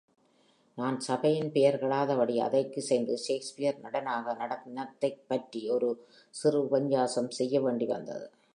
நான் சபையின் பெயர் கெடாதபடி அதற்கிசைந்து, ஷேக்ஸ்பியர் நடனாக நடித்ததைப்பற்றி, ஒரு சிறு உபன்யாசம் செய்ய வேண்டி வந்தது.